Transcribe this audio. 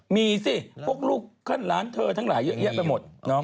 มีสิพวกลูกขึ้นร้านเธอทั้งหลายเยอะแยะไปหมด